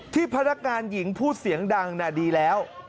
พนักงานหญิงพูดเสียงดังดีแล้ว